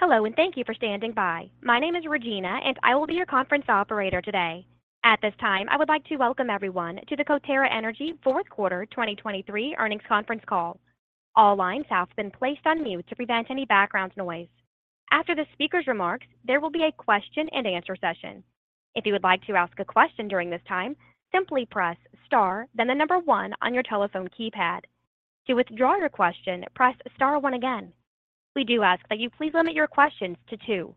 Hello and thank you for standing by. My name is Regina, and I will be your conference operator today. At this time, I would like to welcome everyone to the Coterra Energy 4th quarter 2023 earnings conference call. All lines have been placed on mute to prevent any background noise. After the speaker's remarks, there will be a question-and-answer session. If you would like to ask a question during this time, simply press star then the number one on your telephone keypad. To withdraw your question, press star one again. We do ask that you please limit your questions to two.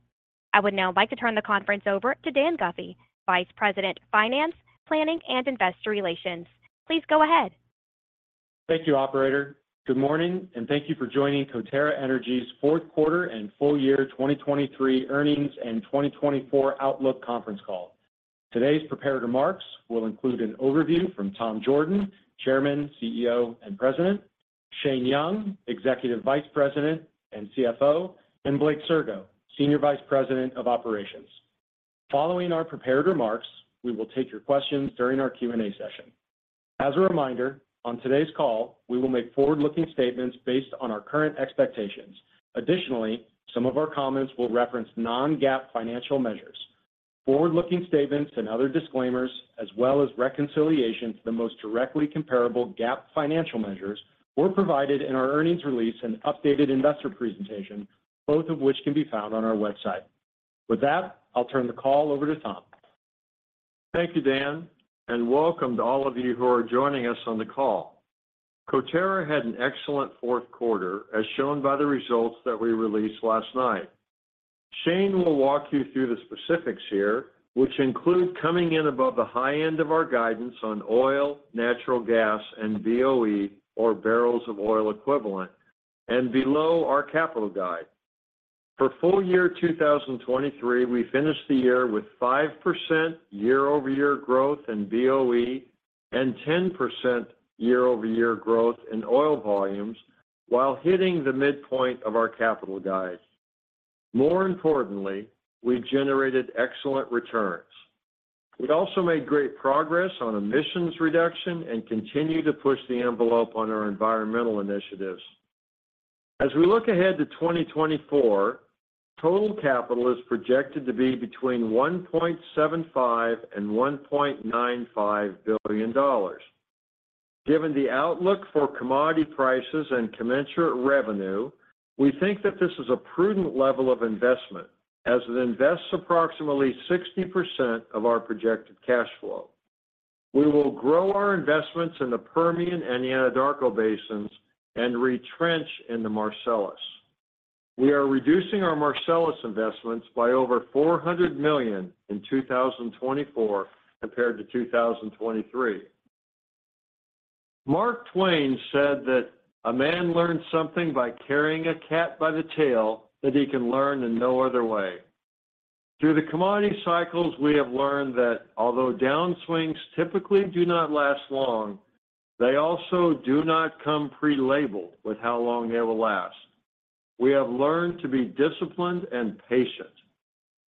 I would now like to turn the conference over to Dan Guffey, Vice President Finance, Planning, and Investor Relations. Please go ahead. Thank you, operator. Good morning, and thank you for joining Coterra Energy's 4th quarter and full year 2023 earnings and 2024 outlook conference call. Today's prepared remarks will include an overview from Tom Jorden, Chairman, CEO, and President, Shane Young, Executive Vice President and CFO, and Blake Sirgo, Senior Vice President of Operations. Following our prepared remarks, we will take your questions during our Q and A session. As a reminder, on today's call, we will make forward-looking statements based on our current expectations. Additionally, some of our comments will reference non-GAAP financial measures. Forward-looking statements and other disclaimers, as well as reconciliation for the most directly comparable GAAP financial measures, were provided in our earnings release and updated investor presentation, both of which can be found on our website. With that, I'll turn the call over to Tom. Thank you, Dan, and welcome to all of you who are joining us on the call. Coterra had an excellent 4th quarter, as shown by the results that we released last night. Shane will walk you through the specifics here, which include coming in above the high end of our guidance on oil, natural gas, and BOE, or barrels of oil equivalent, and below our capital guide. For full year 2023, we finished the year with 5% year-over-year growth in BOE and 10% year-over-year growth in oil volumes, while hitting the midpoint of our capital guide. More importantly, we generated excellent returns. We also made great progress on emissions reduction and continue to push the envelope on our environmental initiatives. As we look ahead to 2024, total capital is projected to be between $1.75-$1.95 billion. Given the outlook for commodity prices and commensurate revenue, we think that this is a prudent level of investment, as it invests approximately 60% of our projected cash flow. We will grow our investments in the Permian and Anadarko Basins and retrench in the Marcellus. We are reducing our Marcellus investments by over $400 million in 2024 compared to 2023. Mark Twain said that a man learns something by carrying a cat by the tail that he can learn in no other way. Through the commodity cycles, we have learned that although downswings typically do not last long, they also do not come pre-labeled with how long they will last. We have learned to be disciplined and patient.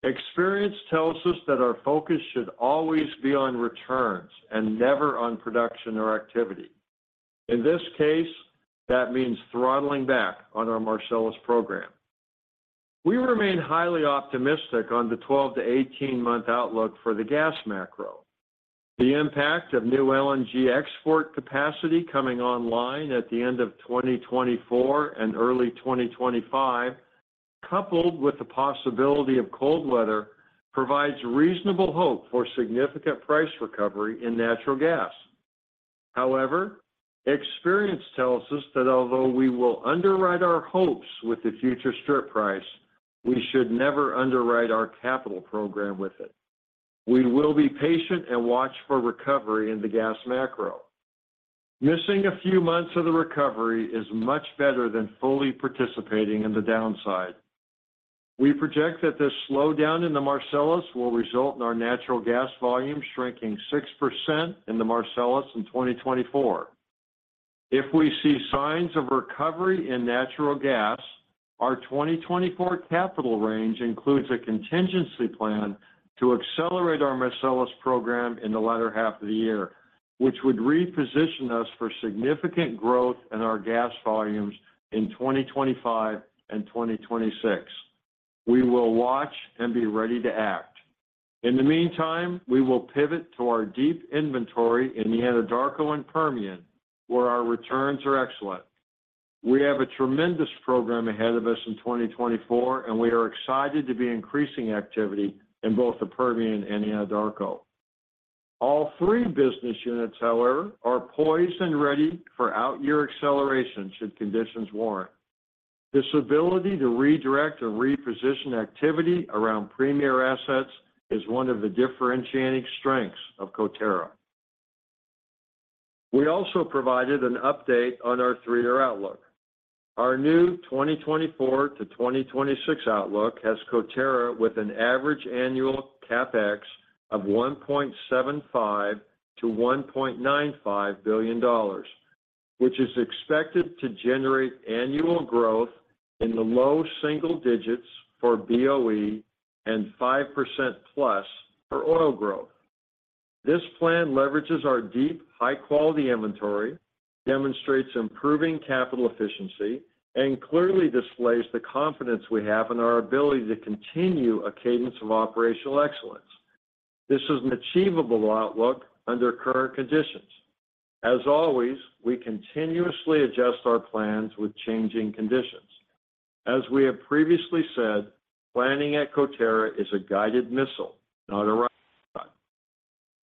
Experience tells us that our focus should always be on returns and never on production or activity. In this case, that means throttling back on our Marcellus program. We remain highly optimistic on the 12-18-month outlook for the gas macro. The impact of new LNG export capacity coming online at the end of 2024 and early 2025, coupled with the possibility of cold weather, provides reasonable hope for significant price recovery in natural gas. However, experience tells us that although we will underwrite our hopes with the future strip price, we should never underwrite our capital program with it. We will be patient and watch for recovery in the gas macro. Missing a few months of the recovery is much better than fully participating in the downside. We project that this slowdown in the Marcellus will result in our natural gas volume shrinking 6% in the Marcellus in 2024. If we see signs of recovery in natural gas, our 2024 capital range includes a contingency plan to accelerate our Marcellus program in the latter half of the year, which would reposition us for significant growth in our gas volumes in 2025 and 2026. We will watch and be ready to act. In the meantime, we will pivot to our deep inventory in the Anadarko and Permian, where our returns are excellent. We have a tremendous program ahead of us in 2024, and we are excited to be increasing activity in both the Permian and Anadarko. All three business units, however, are poised and ready for out-year acceleration should conditions warrant. This ability to redirect and reposition activity around premier assets is one of the differentiating strengths of Coterra. We also provided an update on our three-year outlook. Our new 2024-2026 outlook has Coterra with an average annual CapEx of $1.75-$1.95 billion, which is expected to generate annual growth in the low single digits for BOE and 5%+ for oil growth. This plan leverages our deep, high-quality inventory, demonstrates improving capital efficiency, and clearly displays the confidence we have in our ability to continue a cadence of operational excellence. This is an achievable outlook under current conditions. As always, we continuously adjust our plans with changing conditions. As we have previously said, planning at Coterra is a guided missile, not a rocket science.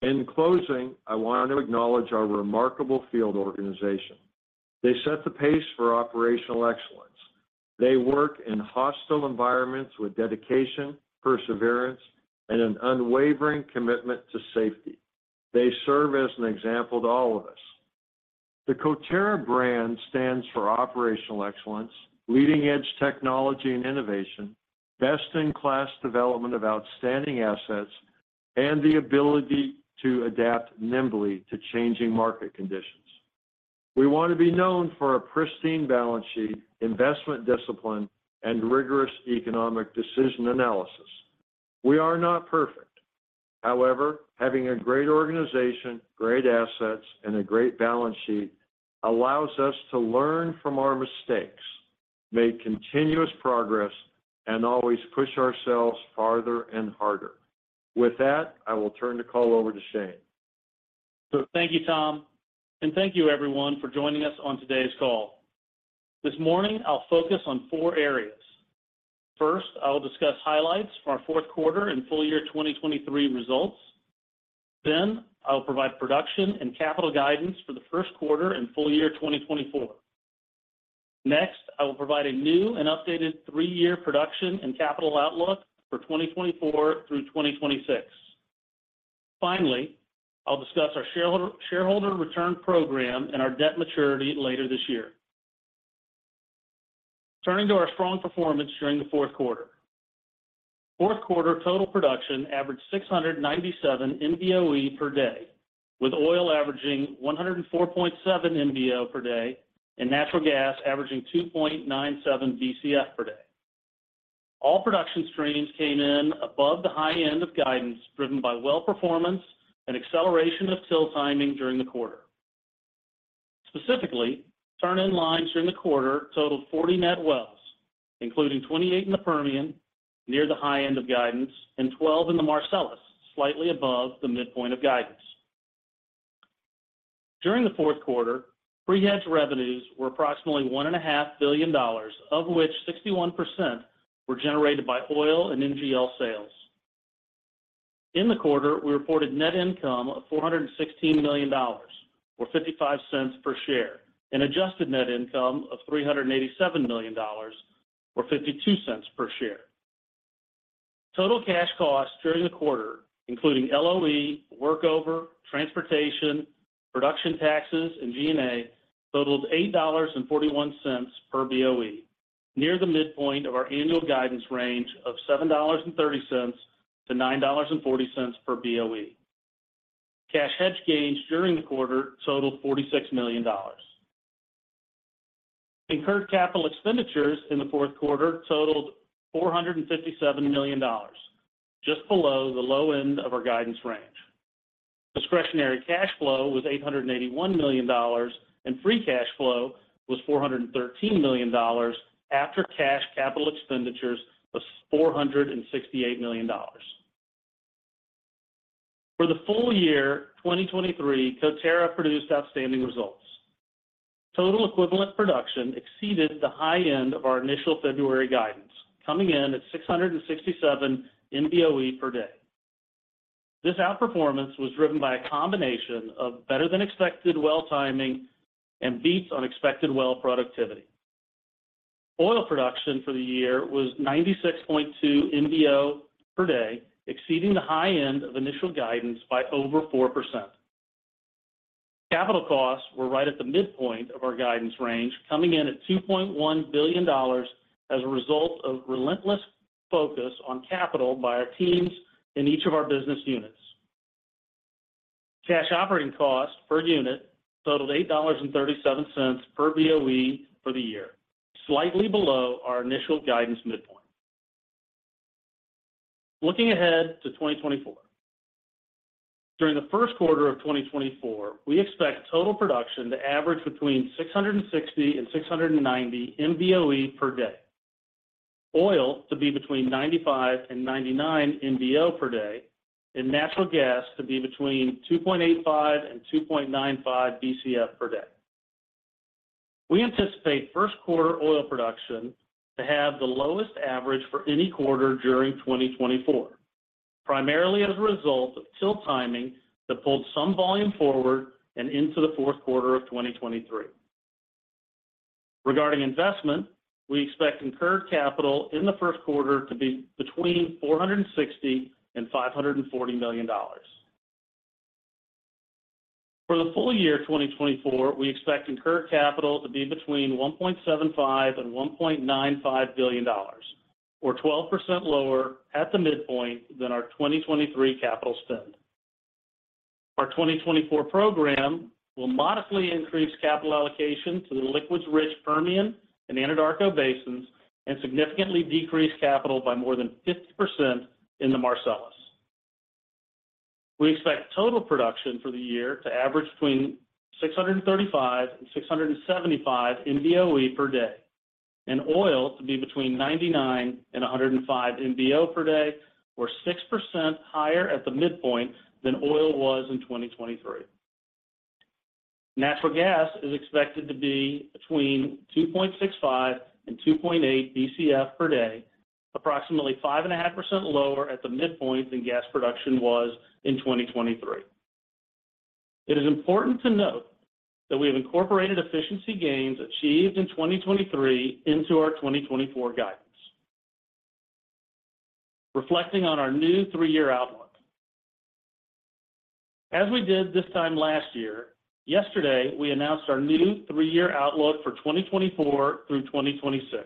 In closing, I want to acknowledge our remarkable field organization. They set the pace for operational excellence. They work in hostile environments with dedication, perseverance, and an unwavering commitment to safety. They serve as an example to all of us. The Coterra brand stands for operational excellence, leading-edge technology and innovation, best-in-class development of outstanding assets, and the ability to adapt nimbly to changing market conditions. We want to be known for a pristine balance sheet, investment discipline, and rigorous economic decision analysis. We are not perfect. However, having a great organization, great assets, and a great balance sheet allows us to learn from our mistakes, make continuous progress, and always push ourselves farther and harder. With that, I will turn the call over to Shane. So thank you, Tom, and thank you, everyone, for joining us on today's call. This morning, I'll focus on four areas. First, I will discuss highlights from our 4th quarter and full year 2023 results. Then, I will provide production and capital guidance for the 1st quarter and full year 2024. Next, I will provide a new and updated three-year production and capital outlook for 2024 through 2026. Finally, I'll discuss our shareholder return program and our debt maturity later this year. Turning to our strong performance during the 4th quarter. 4th quarter total production averaged 697 MBOE per day, with oil averaging 104.7 MBO per day and natural gas averaging 2.97 BCF per day. All production streams came in above the high end of guidance, driven by well performance and acceleration of TIL timing during the quarter. Specifically, turn-in lines during the quarter totaled 40 net wells, including 28 in the Permian, near the high end of guidance, and 12 in the Marcellus, slightly above the midpoint of guidance. During the 4th quarter, pre-hedge revenues were approximately $1.5 billion, of which 61% were generated by oil and NGL sales. In the quarter, we reported net income of $416 million or $0.55 per share and adjusted net income of $387 million or $0.52 per share. Total cash costs during the quarter, including LOE, workover, transportation, production taxes, and G&A, totaled $8.41 per BOE, near the midpoint of our annual guidance range of $7.30-$9.40 per BOE. Cash hedge gains during the quarter totaled $46 million. Incurred capital expenditures in the 4th quarter totaled $457 million, just below the low end of our guidance range. Discretionary cash flow was $881 million, and free cash flow was $413 million after cash capital expenditures of $468 million. For the full year 2023, Coterra produced outstanding results. Total equivalent production exceeded the high end of our initial February guidance, coming in at 667 MBOE per day. This outperformance was driven by a combination of better-than-expected well timing and better-than-expected well productivity. Oil production for the year was 96.2 MBO per day, exceeding the high end of initial guidance by over 4%. Capital costs were right at the midpoint of our guidance range, coming in at $2.1 billion as a result of relentless focus on capital by our teams in each of our business units. Cash operating costs per unit totaled $8.37 per BOE for the year, slightly below our initial guidance midpoint. Looking ahead to 2024. During the first quarter of 2024, we expect total production to average between 660 and 690 MBOE per day, oil to be between 95 and 99 MBO per day, and natural gas to be between 2.85 and 2.95 BCF per day. We anticipate first quarter oil production to have the lowest average for any quarter during 2024, primarily as a result of TIL timing that pulled some volume forward and into the fourth quarter of 2023. Regarding investment, we expect incurred capital in the first quarter to be between $460 and $540 million. For the full year 2024, we expect incurred capital to be between $1.75 and $1.95 billion, or 12% lower at the midpoint than our 2023 capital spend. Our 2024 program will modestly increase capital allocation to the liquids-rich Permian and Anadarko Basins and significantly decrease capital by more than 50% in the Marcellus. We expect total production for the year to average between 635-675 MBOE per day, and oil to be between 99-105 MBO per day, or 6% higher at the midpoint than oil was in 2023. Natural gas is expected to be between 2.65-2.8 BCF per day, approximately 5.5% lower at the midpoint than gas production was in 2023. It is important to note that we have incorporated efficiency gains achieved in 2023 into our 2024 guidance. Reflecting on our new three-year outlook. As we did this time last year, yesterday we announced our new three-year outlook for 2024 through 2026.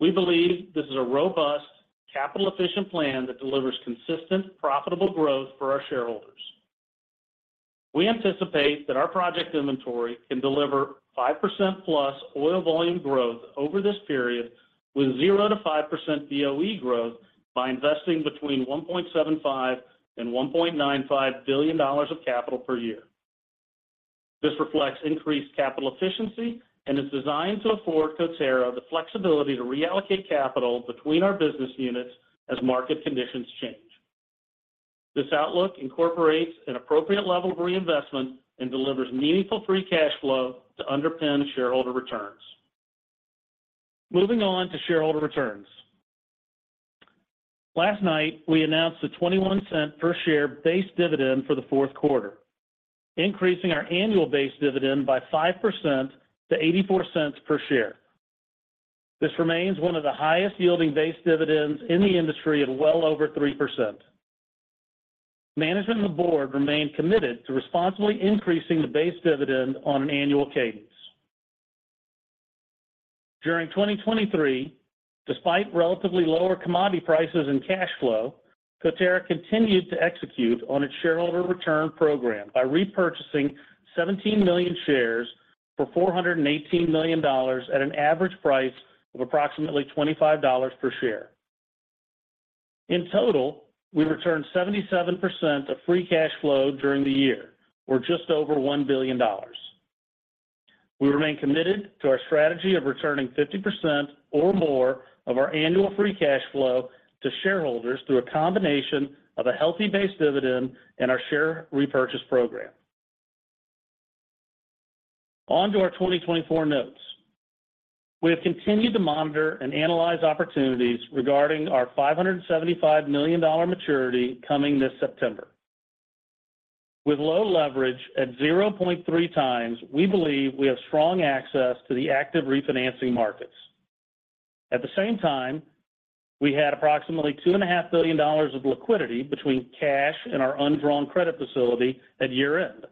We believe this is a robust, capital-efficient plan that delivers consistent, profitable growth for our shareholders. We anticipate that our project inventory can deliver 5%+ oil volume growth over this period with 0%-5% BOE growth by investing between $1.75-$1.95 billion of capital per year. This reflects increased capital efficiency and is designed to afford Coterra the flexibility to reallocate capital between our business units as market conditions change. This outlook incorporates an appropriate level of reinvestment and delivers meaningful free cash flow to underpin shareholder returns. Moving on to shareholder returns. Last night, we announced the $0.21 per share base dividend for the 4th quarter, increasing our annual base dividend by 5% to $0.84 per share. This remains one of the highest yielding base dividends in the industry at well over 3%. Management and the board remain committed to responsibly increasing the base dividend on an annual cadence. During 2023, despite relatively lower commodity prices and cash flow, Coterra continued to execute on its shareholder return program by repurchasing 17 million shares for $418 million at an average price of approximately $25 per share. In total, we returned 77% of free cash flow during the year, or just over $1 billion. We remain committed to our strategy of returning 50% or more of our annual free cash flow to shareholders through a combination of a healthy base dividend and our share repurchase program. On to our 2024 notes. We have continued to monitor and analyze opportunities regarding our $575 million maturity coming this September. With low leverage at 0.3 times, we believe we have strong access to the active refinancing markets. At the same time, we had approximately $2.5 billion of liquidity between cash and our undrawn credit facility at year-end,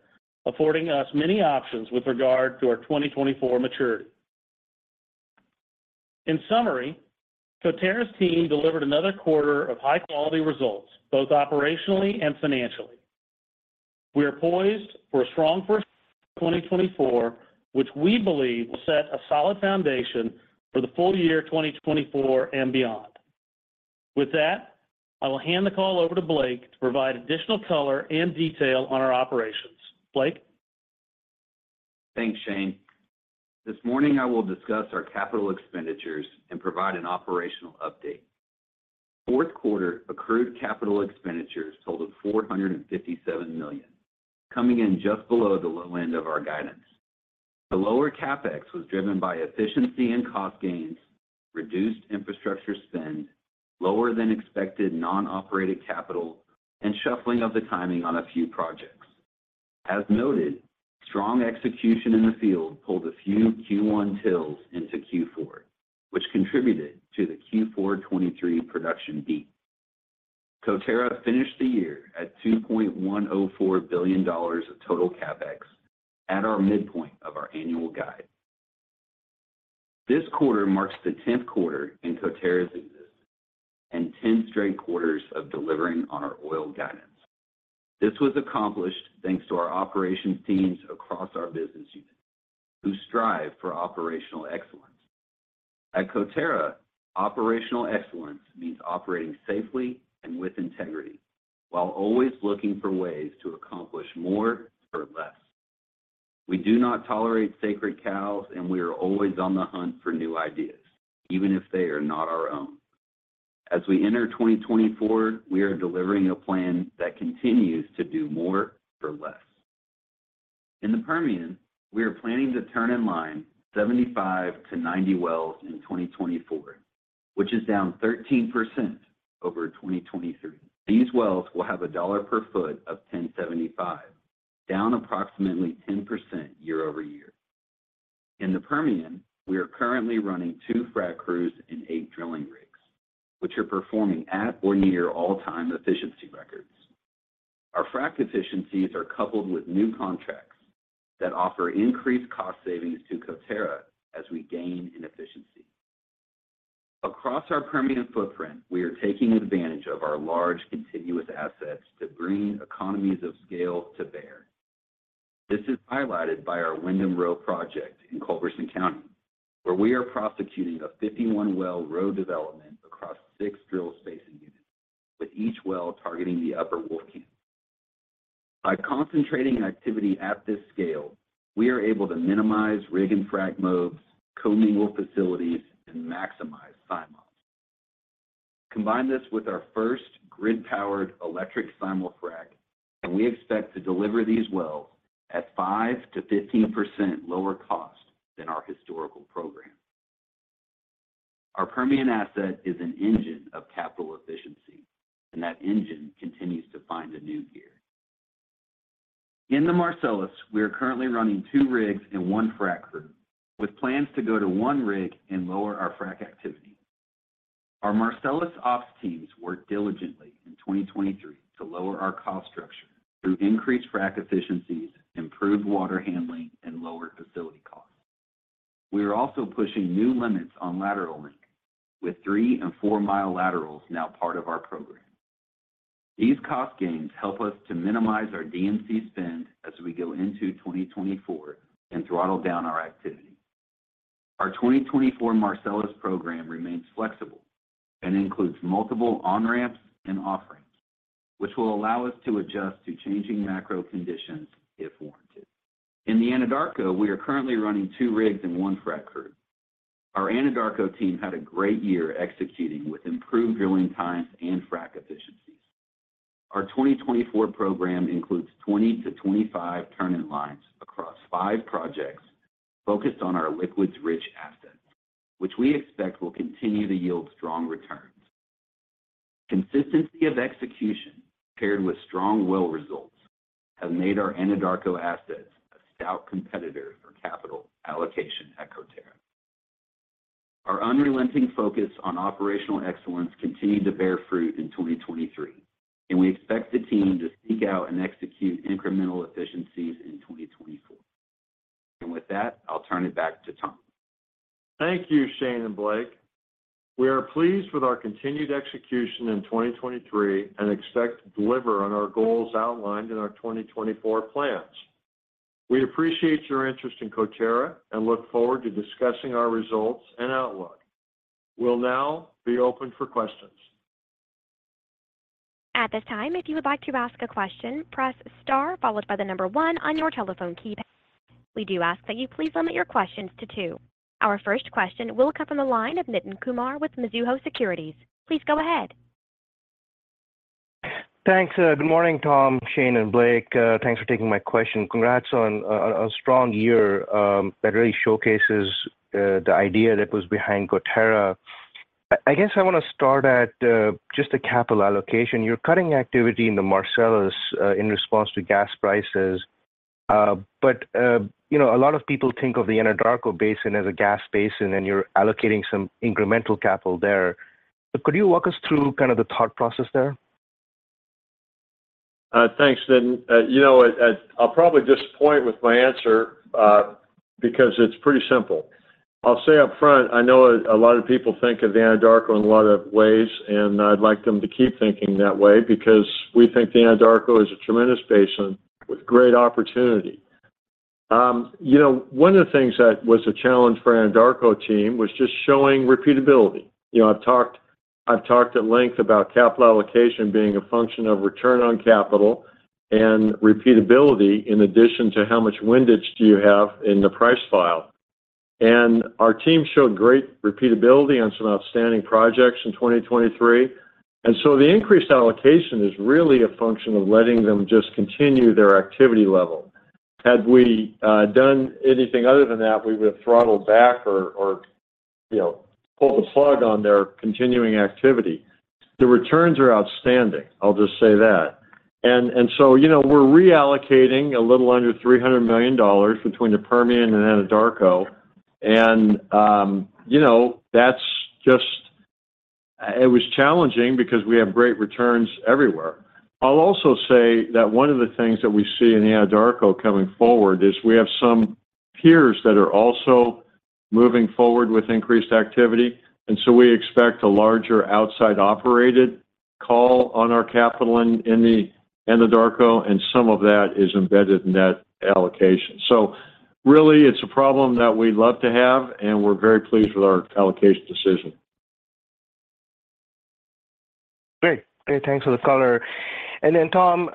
affording us many options with regard to our 2024 maturity. In summary, Coterra's team delivered another quarter of high-quality results, both operationally and financially. We are poised for a strong 1st quarter of 2024, which we believe will set a solid foundation for the full year 2024 and beyond. With that, I will hand the call over to Blake to provide additional color and detail on our operations. Blake? Thanks, Shane. This morning, I will discuss our capital expenditures and provide an operational update. 4th quarter accrued capital expenditures totaled $457 million, coming in just below the low end of our guidance. The lower CapEx was driven by efficiency and cost gains, reduced infrastructure spend, lower-than-expected non-operated capital, and shuffling of the timing on a few projects. As noted, strong execution in the field pulled a few Q1 TILs into Q4, which contributed to the Q4 2023 production beat. Coterra finished the year at $2.104 billion of total CapEx, at our midpoint of our annual guide. This quarter marks the 10th quarter in Coterra's existence and 10 straight quarters of delivering on our oil guidance. This was accomplished thanks to our operations teams across our business units, who strive for operational excellence. At Coterra, operational excellence means operating safely and with integrity while always looking for ways to accomplish more for less. We do not tolerate sacred cows, and we are always on the hunt for new ideas, even if they are not our own. As we enter 2024, we are delivering a plan that continues to do more for less. In the Permian, we are planning to turn in line 75-90 wells in 2024, which is down 13% over 2023. These wells will have a dollar per foot of $10.75, down approximately 10% year-over-year. In the Permian, we are currently running two frac crews and eight drilling rigs, which are performing at or near all-time efficiency records. Our frac efficiencies are coupled with new contracts that offer increased cost savings to Coterra as we gain in efficiency. Across our Permian footprint, we are taking advantage of our large continuous assets to bring economies of scale to bear. This is highlighted by our Windham Row project in Culberson County, where we are prosecuting a 51-well row development across six drill spacing units, with each well targeting the Upper Wolfcamp. By concentrating activity at this scale, we are able to minimize rig and frac mobs, co-mingle facilities, and maximize simuls. Combine this with our first grid-powered electric simul-frac, and we expect to deliver these wells at 5%-15% lower cost than our historical program. Our Permian asset is an engine of capital efficiency, and that engine continues to find a new gear. In the Marcellus, we are currently running two rigs and one frac crew, with plans to go to one rig and lower our frac activity. Our Marcellus ops teams worked diligently in 2023 to lower our cost structure through increased frac efficiencies, improved water handling, and lowered facility costs. We are also pushing new limits on lateral link, with three and four mile laterals now part of our program. These cost gains help us to minimize our D&C spend as we go into 2024 and throttle down our activity. Our 2024 Marcellus program remains flexible and includes multiple on-ramps and off-ramps, which will allow us to adjust to changing macro conditions if warranted. In the Anadarko, we are currently running two rigs and one frac crew. Our Anadarko team had a great year executing with improved drilling times and frac efficiencies. Our 2024 program includes 20-25 turn-in lines across five projects focused on our liquids-rich assets, which we expect will continue to yield strong returns. Consistency of execution paired with strong well results have made our Anadarko assets a stout competitor for capital allocation at Coterra. Our unrelenting focus on operational excellence continued to bear fruit in 2023, and we expect the team to seek out and execute incremental efficiencies in 2024. With that, I'll turn it back to Thomas. Thank you, Shane and Blake. We are pleased with our continued execution in 2023 and expect to deliver on our goals outlined in our 2024 plans. We appreciate your interest in Coterra and look forward to discussing our results and outlook. We'll now be open for questions. At this time, if you would like to ask a question, press star followed by the number one on your telephone keypad. We do ask that you please limit your questions to two. Our first question will come from the line of Nitin Kumar with Mizuho Securities. Please go ahead. Thanks. Good morning, Thomas, Shane, and Blake. Thanks for taking my question. Congrats on a strong year that really showcases the idea that was behind Coterra. I guess I want to start at just the capital allocation. You're cutting activity in the Marcellus in response to gas prices, but a lot of people think of the Anadarko Basin as a gas basin, and you're allocating some incremental capital there. Could you walk us through kind of the thought process there? Thanks, Nitin. I'll probably disappoint with my answer because it's pretty simple. I'll say upfront, I know a lot of people think of the Anadarko in a lot of ways, and I'd like them to keep thinking that way because we think the Anadarko is a tremendous basin with great opportunity. One of the things that was a challenge for the Anadarko team was just showing repeatability. I've talked at length about capital allocation being a function of return on capital and repeatability in addition to how much windage do you have in the price file. And our team showed great repeatability on some outstanding projects in 2023. And so the increased allocation is really a function of letting them just continue their activity level. Had we done anything other than that, we would have throttled back or pulled the plug on their continuing activity. The returns are outstanding. I'll just say that. And so we're reallocating a little under $300 million between the Permian and Anadarko, and that's just it was challenging because we have great returns everywhere. I'll also say that one of the things that we see in the Anadarko coming forward is we have some peers that are also moving forward with increased activity, and so we expect a larger outside-operated call on our capital in the Anadarko, and some of that is embedded in that allocation. So really, it's a problem that we'd love to have, and we're very pleased with our allocation decision. Great. Great. Thanks for the color. And then, Tom,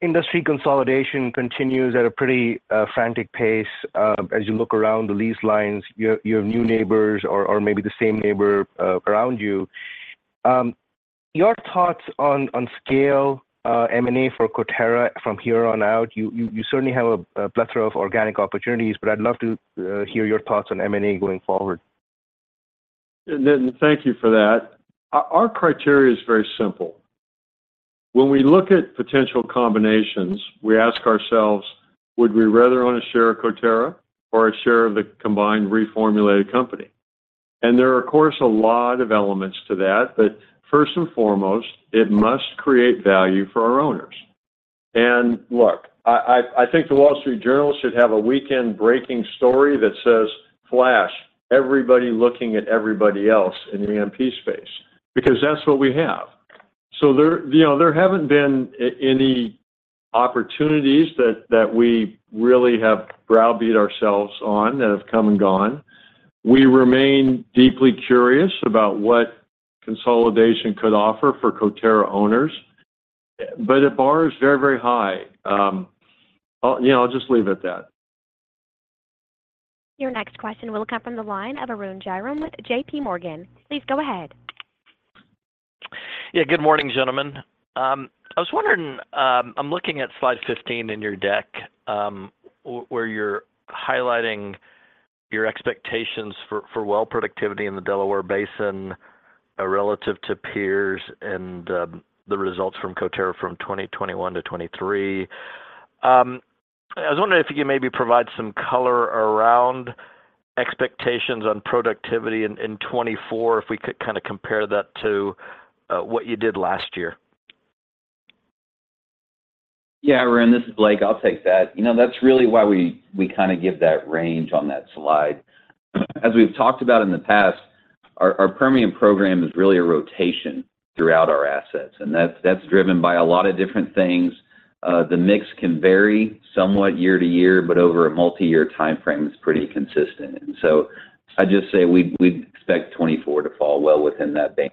industry consolidation continues at a pretty frantic pace. As you look around the lease lines, you have new neighbors or maybe the same neighbor around you. Your thoughts on scale, M&A for Coterra from here on out? You certainly have a plethora of organic opportunities, but I'd love to hear your thoughts on M&A going forward. Nitin, thank you for that. Our criteria is very simple. When we look at potential combinations, we ask ourselves, would we rather own a share of Coterra or a share of the combined reformulated company? And there are, of course, a lot of elements to that, but first and foremost, it must create value for our owners. And look, I think the Wall Street Journal should have a weekend breaking story that says, "Flash, everybody looking at everybody else in the EMP space," because that's what we have. So there haven't been any opportunities that we really have browbeat ourselves on that have come and gone. We remain deeply curious about what consolidation could offer for Coterra owners, but the bar is very, very high. I'll just leave it at that. Your next question will come from the line of Arun Jayaram with JPMorgan. Please go ahead. Yeah. Good morning, gentlemen. I was wondering, I'm looking at slide 15 in your deck where you're highlighting your expectations for well productivity in the Delaware Basin relative to peers and the results from Coterra from 2021 to 2023. I was wondering if you could maybe provide some color around expectations on productivity in 2024 if we could kind of compare that to what you did last year. Yeah, Arun. This is Blake. I'll take that. That's really why we kind of give that range on that slide. As we've talked about in the past, our Permian program is really a rotation throughout our assets, and that's driven by a lot of different things. The mix can vary somewhat year to year, but over a multi-year time frame, it's pretty consistent. And so I'd just say we'd expect 2024 to fall well within that band,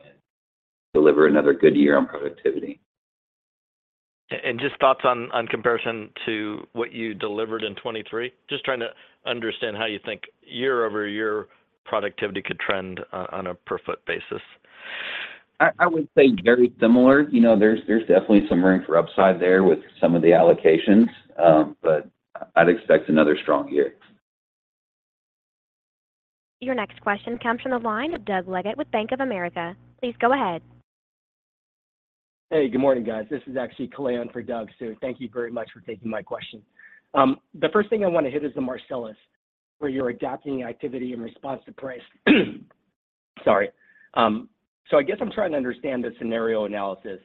deliver another good year on productivity. Just thoughts on comparison to what you delivered in 2023? Just trying to understand how you think year-over-year, productivity could trend on a per-foot basis. I would say very similar. There's definitely some room for upside there with some of the allocations, but I'd expect another strong year. Your next question comes from the line of Doug Leggett with Bank of America. Please go ahead. Hey. Good morning, guys. This is actually Kalei for Doug, too. Thank you very much for taking my question. The first thing I want to hit is the Marcellus, where you're adapting activity in response to price. Sorry. So I guess I'm trying to understand the scenario analysis.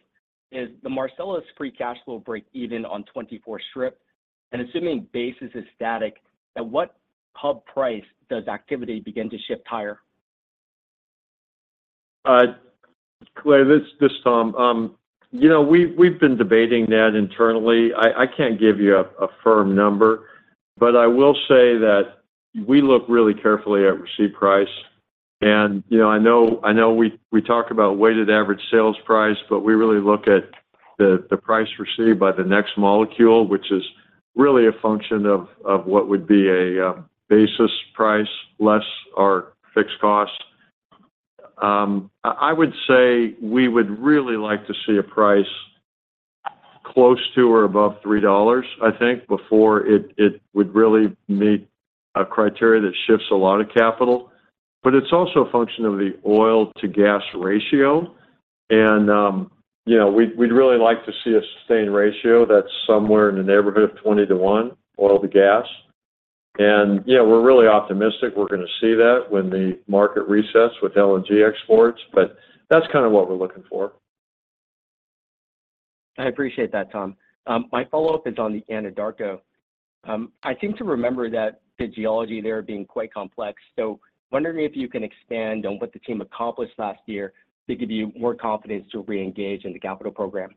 Is the Marcellus free cash flow break even on 2024 strip? And assuming base is a static, at what hub price does activity begin to shift higher? Kalei, this is Tom. We've been debating that internally. I can't give you a firm number, but I will say that we look really carefully at receipt price. And I know we talk about weighted average sales price, but we really look at the price received by the next molecule, which is really a function of what would be a basis price less our fixed costs. I would say we would really like to see a price close to or above $3, I think, before it would really meet a criteria that shifts a lot of capital. But it's also a function of the oil-to-gas ratio. And we'd really like to see a sustained ratio that's somewhere in the neighborhood of 20 to 1, oil to gas. We're really optimistic we're going to see that when the market resets with LNG exports, but that's kind of what we're looking for. I appreciate that, Tom. My follow-up is on the Anadarko. I seem to remember that the geology there being quite complex. So, wondering if you can expand on what the team accomplished last year to give you more confidence to re-engage in the capital program.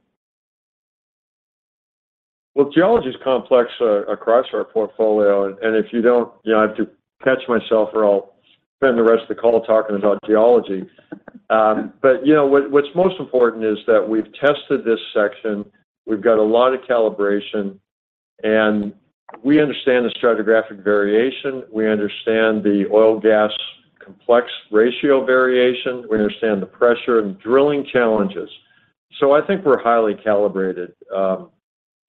Well, geology is complex across our portfolio, and if you don't, I have to catch myself or I'll spend the rest of the call talking about geology. But what's most important is that we've tested this section. We've got a lot of calibration, and we understand the stratigraphic variation. We understand the oil-gas complex ratio variation. We understand the pressure and drilling challenges. So I think we're highly calibrated.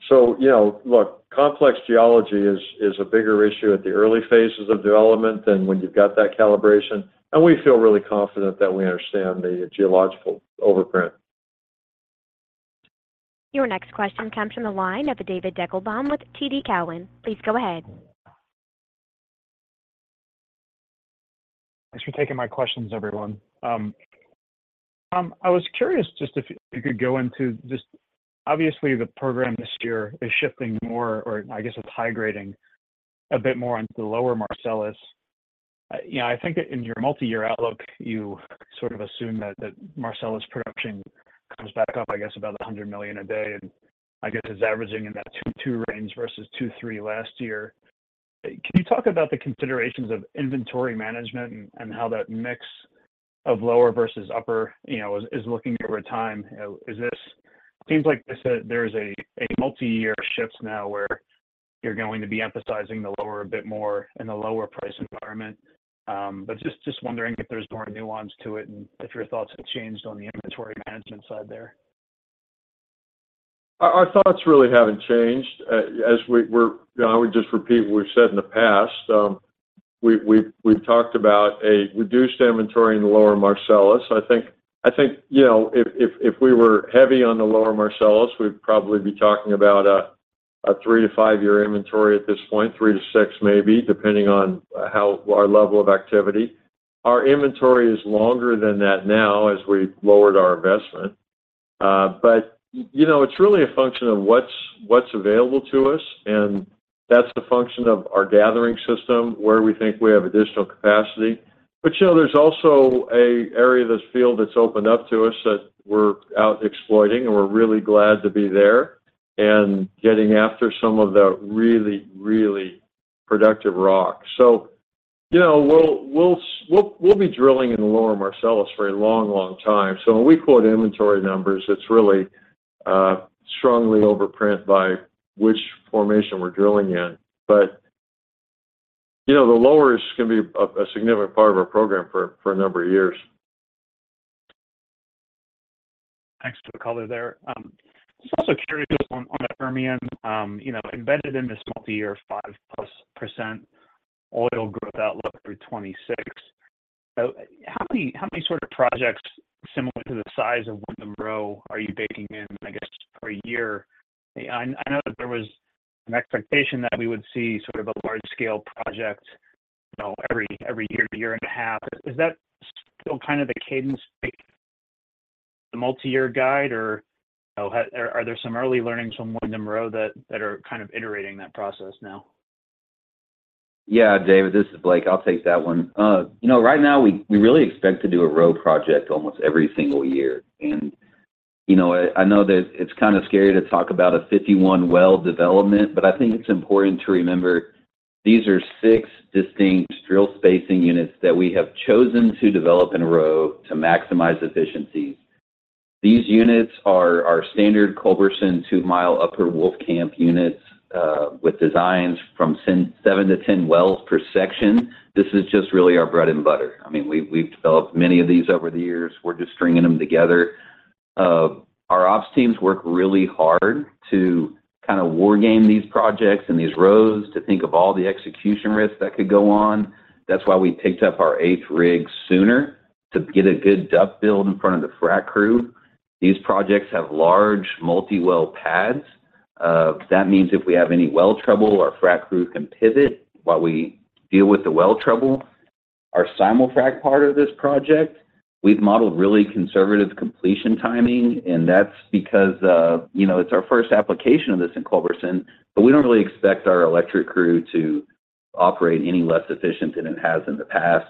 So look, complex geology is a bigger issue at the early phases of development than when you've got that calibration, and we feel really confident that we understand the geological overprint. Your next question comes from the line of David Deckelbaum with TD Cowen. Please go ahead. Thanks for taking my questions, everyone. Thomas, I was curious just if you could go into just obviously, the program this year is shifting more or, I guess, it's high-grading a bit more into the lower Marcellus. I think that in your multi-year outlook, you sort of assume that Marcellus production comes back up, I guess, about 100 million a day and, I guess, is averaging in that 2-2 range versus 2-3 last year. Can you talk about the considerations of inventory management and how that mix of lower versus upper is looking over time? It seems like there's a multi-year shift now where you're going to be emphasizing the lower a bit more in the lower-price environment. But just wondering if there's more nuance to it and if your thoughts have changed on the inventory management side there. Our thoughts really haven't changed. I would just repeat what we've said in the past. We've talked about a reduced inventory in the Lower Marcellus. I think if we were heavy on the Lower Marcellus, we'd probably be talking about a 3-5-year inventory at this point, 3-6, maybe, depending on our level of activity. Our inventory is longer than that now as we've lowered our investment. But it's really a function of what's available to us, and that's a function of our gathering system, where we think we have additional capacity. But there's also an area of this field that's opened up to us that we're out exploiting, and we're really glad to be there and getting after some of the really, really productive rocks. So we'll be drilling in the Lower Marcellus for a long, long time. When we quote inventory numbers, it's really strongly overprinted by which formation we're drilling in. But the lower is going to be a significant part of our program for a number of years. Thanks for the color there. I was also curious on the Permian. Embedded in this multi-year, 5%+ oil growth outlook through 2026, how many sort of projects similar to the size of Windham Row are you baking in, I guess, per year? I know that there was an expectation that we would see sort of a large-scale project every year to year and a half. Is that still kind of the cadence pick, the multi-year guide, or are there some early learnings from Windham Row that are kind of iterating that process now? Yeah, David. This is Blake. I'll take that one. Right now, we really expect to do a row project almost every single year. I know it's kind of scary to talk about a 51-well development, but I think it's important to remember these are six distinct drill spacing units that we have chosen to develop in a row to maximize efficiencies. These units are standard Culberson two-mile Upper Wolfcamp units with designs from seven to 10 wells per section. This is just really our bread and butter. I mean, we've developed many of these over the years. We're just stringing them together. Our ops teams work really hard to kind of wargame these projects and these rows to think of all the execution risks that could go on. That's why we picked up our eighth rig sooner to get a good DUC build in front of the frac crew. These projects have large multi-well pads. That means if we have any well trouble, our frac crew can pivot while we deal with the well trouble. Our simul-frac part of this project, we've modeled really conservative completion timing, and that's because it's our first application of this in Culberson, but we don't really expect our electric crew to operate any less efficient than it has in the past.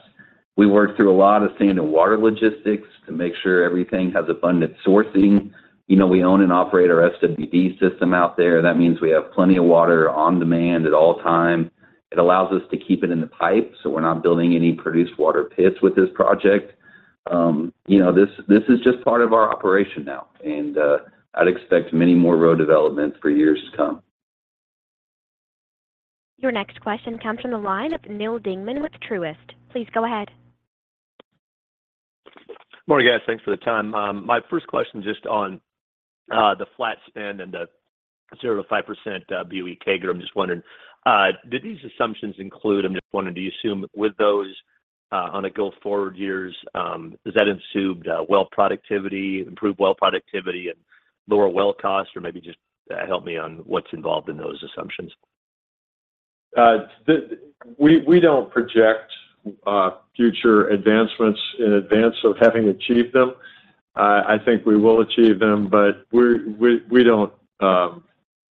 We worked through a lot of sand and water logistics to make sure everything has abundant sourcing. We own and operate our SWD system out there. That means we have plenty of water on demand at all times. It allows us to keep it in the pipe, so we're not building any produced water pits with this project. This is just part of our operation now, and I'd expect many more road developments for years to come. Your next question comes from the line of Neal Dingmann with Truist. Please go ahead. Morning, guys. Thanks for the time. My first question just on the flat spend and the 0%-5% BOE CAGR. I'm just wondering, do you assume with those on a go forward years, does that include improved well productivity and lower well cost, or maybe just help me on what's involved in those assumptions? We don't project future advancements in advance of having achieved them. I think we will achieve them, but we don't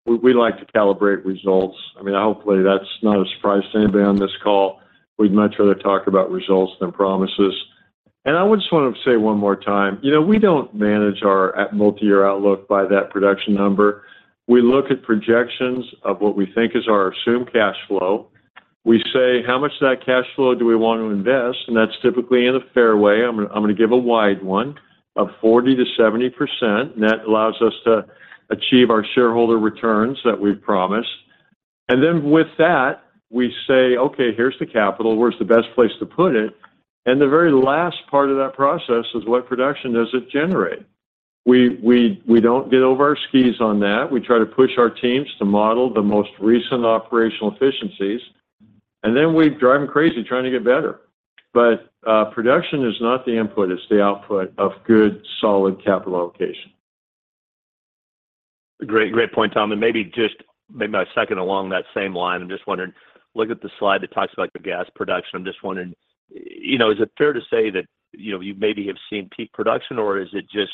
like to calibrate results. I mean, hopefully, that's not a surprise to anybody on this call. We'd much rather talk about results than promises. And I would just want to say one more time, we don't manage our multi-year outlook by that production number. We look at projections of what we think is our assumed cash flow. We say, "How much of that cash flow do we want to invest?" And that's typically in a fair way. I'm going to give a wide one of 40%-70%. That allows us to achieve our shareholder returns that we've promised. And then with that, we say, "Okay, here's the capital. Where's the best place to put it?" And the very last part of that process is, "What production does it generate?" We don't get over our skis on that. We try to push our teams to model the most recent operational efficiencies, and then we drive them crazy trying to get better. But production is not the input. It's the output of good, solid capital allocation. Great, great point, Tom. Maybe just a second along that same line, I'm just wondering, look at the slide that talks about the gas production. I'm just wondering, is it fair to say that you maybe have seen peak production, or is it just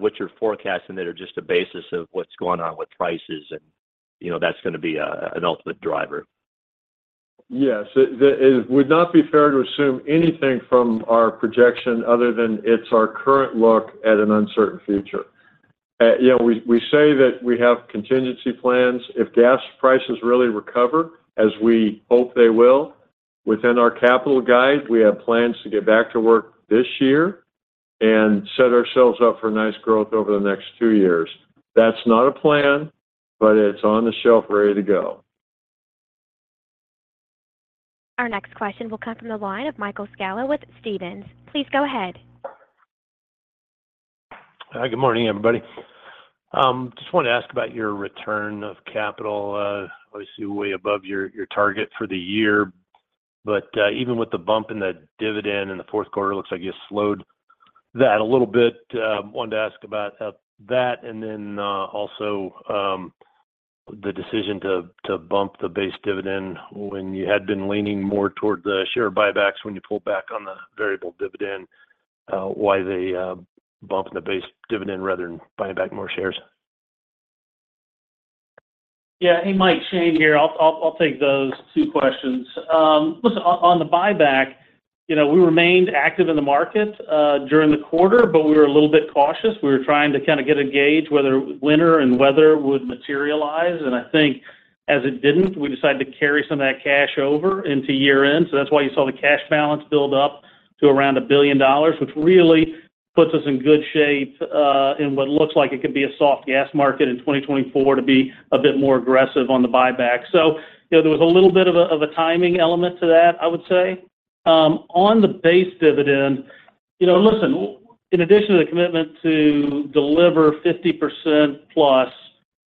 what you're forecasting that are just a basis of what's going on with prices, and that's going to be an ultimate driver? Yes. It would not be fair to assume anything from our projection other than it's our current look at an uncertain future. We say that we have contingency plans. If gas prices really recover, as we hope they will, within our capital guide, we have plans to get back to work this year and set ourselves up for nice growth over the next two years. That's not a plan, but it's on the shelf ready to go. Our next question will come from the line of Michael Scialla with Stephens. Please go ahead. Hi. Good morning, everybody. Just wanted to ask about your return of capital. Obviously, way above your target for the year, but even with the bump in the dividend in the fourth quarter, it looks like you slowed that a little bit. Wanted to ask about that and then also the decision to bump the base dividend when you had been leaning more toward the share buybacks when you pulled back on the variable dividend, why they bump the base dividend rather than buying back more shares. Yeah. Hey, Mike, Shane here. I'll take those two questions. Listen, on the buyback, we remained active in the market during the quarter, but we were a little bit cautious. We were trying to kind of get a gauge whether winter and weather would materialize. And I think as it didn't, we decided to carry some of that cash over into year-end. So that's why you saw the cash balance build up to around $1 billion, which really puts us in good shape in what looks like it could be a soft gas market in 2024 to be a bit more aggressive on the buyback. So there was a little bit of a timing element to that, I would say. On the Base Dividend, listen, in addition to the commitment to deliver 50%+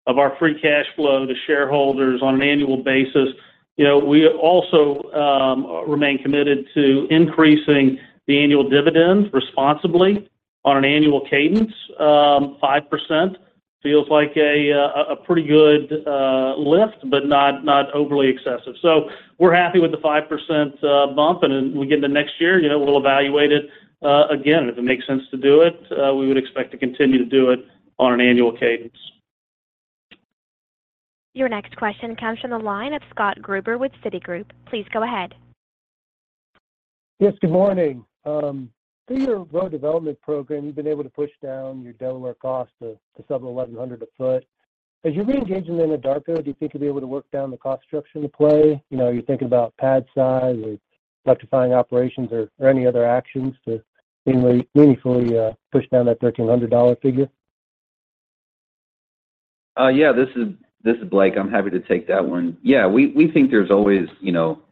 of our free cash flow to shareholders on an annual basis, we also remain committed to increasing the annual dividend responsibly on an annual cadence. 5% feels like a pretty good lift but not overly excessive. We're happy with the 5% bump, and when we get into next year, we'll evaluate it again. If it makes sense to do it, we would expect to continue to do it on an annual cadence. Your next question comes from the line of Scott Gruber with Citigroup. Please go ahead. Yes. Good morning. Through your row development program, you've been able to push down your Delaware Basin cost to sub-$1,100 a foot. As you're re-engaging the Anadarko Basin, do you think you'll be able to work down the cost structure in play? Are you thinking about pad size or electrifying operations or any other actions to meaningfully push down that $1,300 figure? Yeah. This is Blake. I'm happy to take that one. Yeah. We think there's always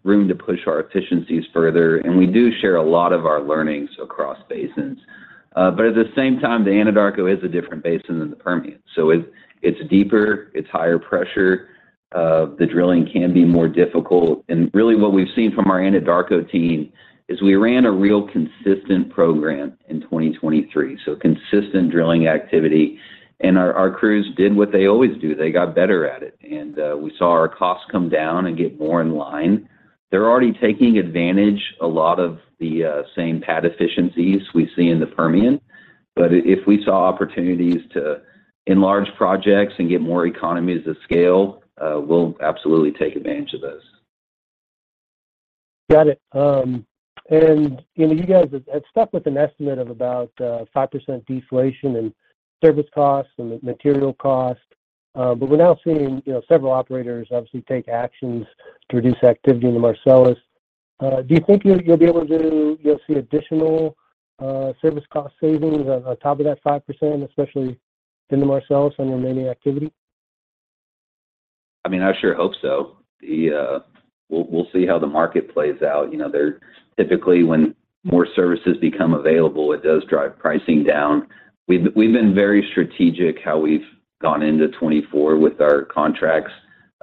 room to push our efficiencies further, and we do share a lot of our learnings across basins. But at the same time, the Anadarko is a different basin than the Permian. So it's deeper. It's higher pressure. The drilling can be more difficult. And really, what we've seen from our Anadarko team is we ran a real consistent program in 2023, so consistent drilling activity. And our crews did what they always do. They got better at it, and we saw our costs come down and get more in line. They're already taking advantage a lot of the same pad efficiencies we see in the Permian. But if we saw opportunities to enlarge projects and get more economies of scale, we'll absolutely take advantage of those. Got it. And you guys had stuck with an estimate of about 5% deflation and service costs and material costs, but we're now seeing several operators, obviously, take actions to reduce activity in the Marcellus. Do you think you'll be able to see additional service cost savings on top of that 5%, especially in the Marcellus on your remaining activity? I mean, I sure hope so. We'll see how the market plays out. Typically, when more services become available, it does drive pricing down. We've been very strategic how we've gone into 2024 with our contracts.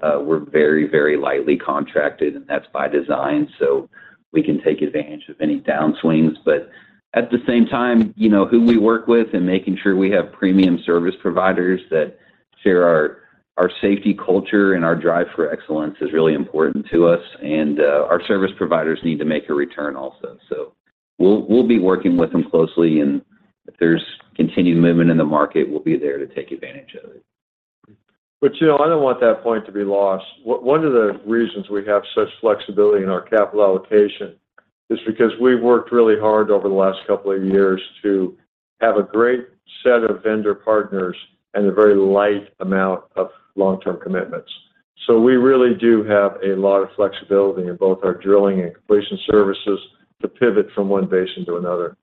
We're very, very lightly contracted, and that's by design, so we can take advantage of any downswings. But at the same time, who we work with and making sure we have premium service providers that share our safety culture and our drive for excellence is really important to us. Our service providers need to make a return also. We'll be working with them closely, and if there's continued movement in the market, we'll be there to take advantage of it. But I don't want that point to be lost. One of the reasons we have such flexibility in our capital allocation is because we've worked really hard over the last couple of years to have a great set of vendor partners and a very light amount of long-term commitments. So we really do have a lot of flexibility in both our drilling and completion services to pivot from one basin to another.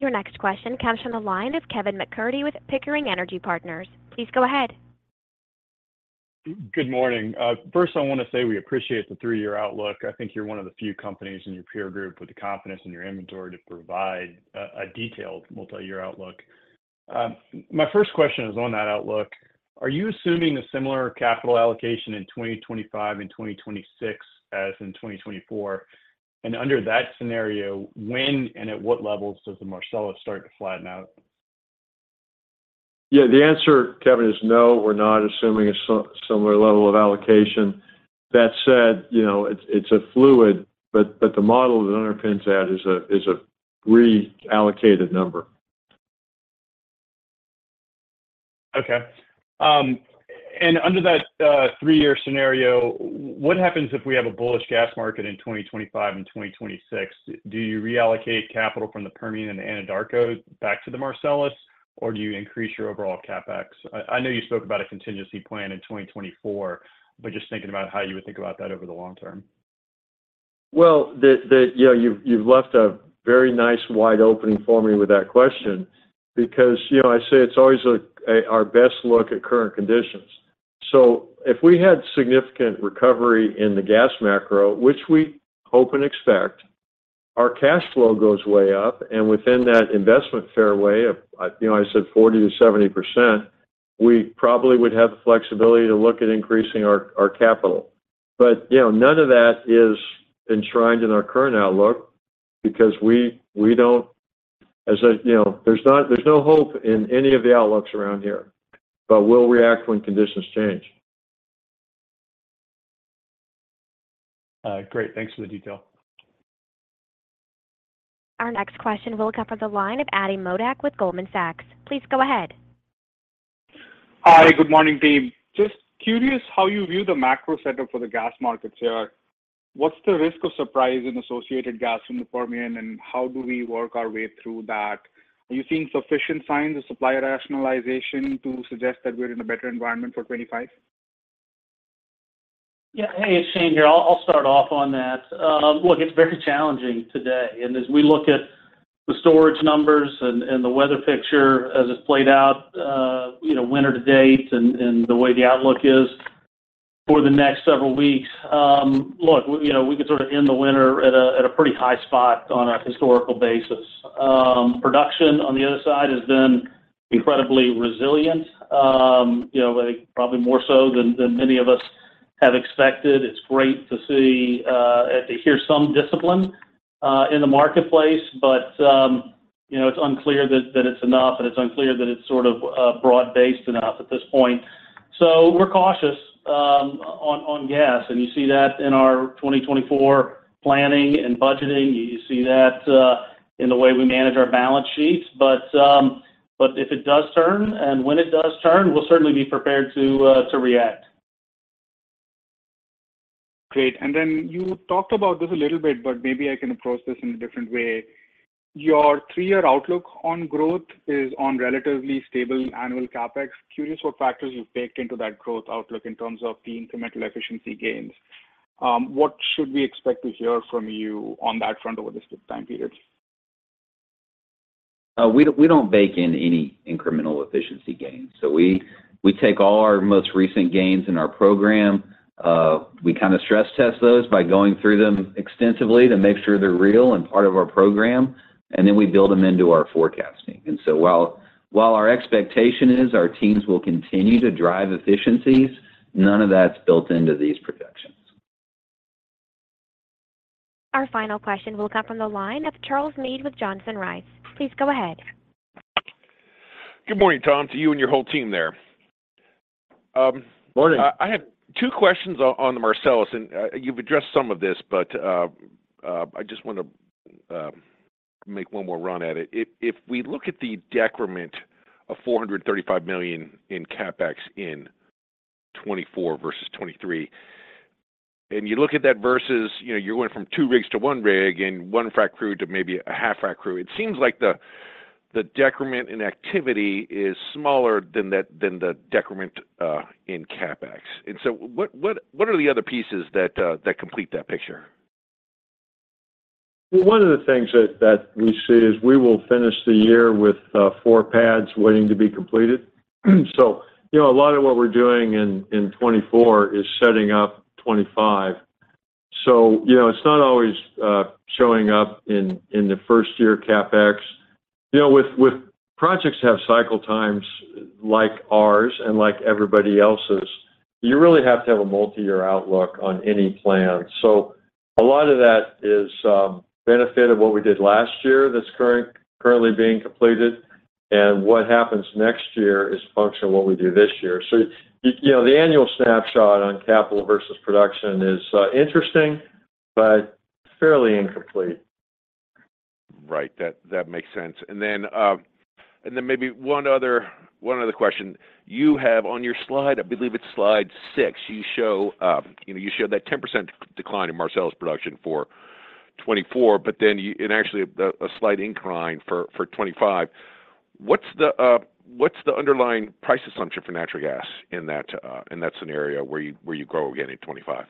Your next question comes from the line of Kevin MacCurdy with Pickering Energy Partners. Please go ahead. Good morning. First, I want to say we appreciate the three-year outlook. I think you're one of the few companies in your peer group with the confidence and your inventory to provide a detailed multi-year outlook. My first question is on that outlook. Are you assuming a similar capital allocation in 2025 and 2026 as in 2024? And under that scenario, when and at what levels does the Marcellus start to flatten out? Yeah. The answer, Kevin, is no. We're not assuming a similar level of allocation. That said, it's a fluid, but the model that underpins that is a reallocated number. Okay. Under that three-year scenario, what happens if we have a bullish gas market in 2025 and 2026? Do you reallocate capital from the Permian and the Anadarko back to the Marcellus, or do you increase your overall capEx? I know you spoke about a contingency plan in 2024, but just thinking about how you would think about that over the long term. Well, you've left a very nice wide opening for me with that question because I say it's always our best look at current conditions. So if we had significant recovery in the gas macro, which we hope and expect, our cash flow goes way up. And within that investment fairway, I said 40%-70%, we probably would have the flexibility to look at increasing our capital. But none of that is enshrined in our current outlook because we don't, as I said, there's no hope in any of the outlooks around here, but we'll react when conditions change. Great. Thanks for the detail. Our next question will come from the line of Atidrip Modak with Goldman Sachs. Please go ahead. Hi. Good morning, team. Just curious how you view the macro setup for the gas markets here. What's the risk of surprise in associated gas from the Permian, and how do we work our way through that? Are you seeing sufficient signs of supplier rationalization to suggest that we're in a better environment for 2025? Yeah. Hey, it's Shane here. I'll start off on that. Look, it's very challenging today. As we look at the storage numbers and the weather picture as it's played out, winter to date and the way the outlook is for the next several weeks, look, we could sort of end the winter at a pretty high spot on a historical basis. Production, on the other side, has been incredibly resilient, probably more so than many of us have expected. It's great to hear some discipline in the marketplace, but it's unclear that it's enough, and it's unclear that it's sort of broad-based enough at this point. So we're cautious on gas, and you see that in our 2024 planning and budgeting. You see that in the way we manage our balance sheets. But if it does turn and when it does turn, we'll certainly be prepared to react. Great. And then you talked about this a little bit, but maybe I can approach this in a different way. Your three-year outlook on growth is on relatively stable annual CapEx. Curious what factors you've baked into that growth outlook in terms of the incremental efficiency gains. What should we expect to hear from you on that front over this time period? We don't bake in any incremental efficiency gains. So we take all our most recent gains in our program. We kind of stress-test those by going through them extensively to make sure they're real and part of our program, and then we build them into our forecasting. And so while our expectation is our teams will continue to drive efficiencies, none of that's built into these projections. Our final question will come from the line of Charles Meade with Johnson Rice. Please go ahead. Good morning, Tom, to you and your whole team there. Morning. I have two questions on the Marcellus, and you've addressed some of this, but I just want to make one more run at it. If we look at the decrement of $435 million in CapEx in 2024 versus 2023, and you look at that versus you're going from two rigs to one rig and one frac crew to maybe a half-frac crew, it seems like the decrement in activity is smaller than the decrement in CapEx. And so what are the other pieces that complete that picture? One of the things that we see is we will finish the year with four pads waiting to be completed. So a lot of what we're doing in 2024 is setting up 2025. So it's not always showing up in the first-year CapEx. With projects that have cycle times like ours and like everybody else's, you really have to have a multi-year outlook on any plan. So a lot of that is benefit of what we did last year that's currently being completed, and what happens next year is function of what we do this year. So the annual snapshot on capital versus production is interesting but fairly incomplete. Right. That makes sense. And then maybe one other question. You have on your slide, I believe it's slide six, you show that 10% decline in Marcellus production for 2024, but then actually a slight incline for 2025. What's the underlying price assumption for natural gas in that scenario where you grow again in 2025?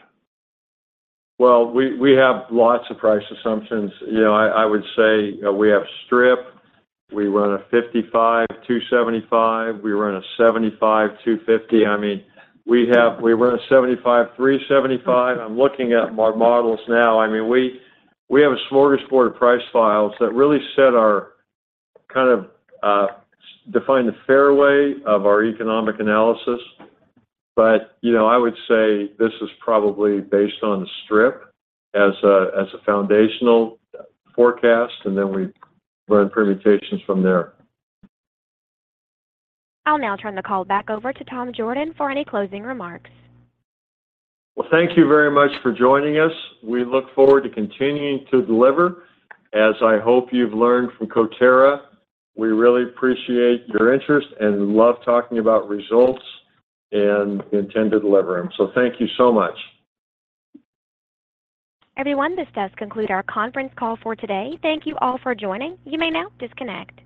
Well, we have lots of price assumptions. I would say we have strip. We run a $55/$2.75. We run a $75/$2.50. I mean, we run a $75/$3.75. I'm looking at our models now. I mean, we have a smorgasbord of price files that really set our kind of define the fairway of our economic analysis. But I would say this is probably based on the strip as a foundational forecast, and then we run permutations from there. I'll now turn the call back over to Tom Jorden for any closing remarks. Well, thank you very much for joining us. We look forward to continuing to deliver. As I hope you've learned from Coterra, we really appreciate your interest and love talking about results and the intended leverage. So thank you so much. Everyone, this does conclude our conference call for today. Thank you all for joining. You may now disconnect.